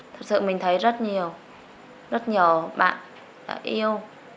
thực sự mình thấy rất nhiều rất nhiều bạn đã yêu